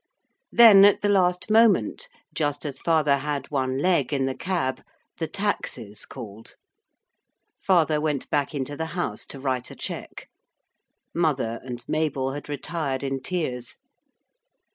Then at the last moment, just as father had one leg in the cab, the Taxes called. Father went back into the house to write a cheque. Mother and Mabel had retired in tears.